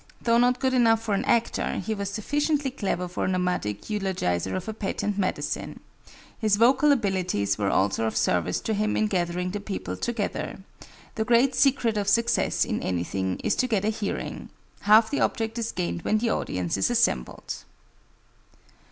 Though not good enough for an actor, he was sufficiently clever for a nomadic eulogizer of a patent medicine. His vocal abilities were also of service to him in gathering the people together. The great secret of success in anything is to get a hearing. Half the object is gained when the audience is assembled.